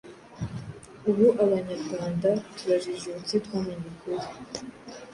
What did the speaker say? Ubu Abanyarwanda turajijutse, twamenye ukuri